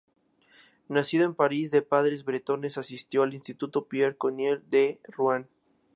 Nacido en París de padres bretones, asistió al Instituto Pierre Corneille de Ruan.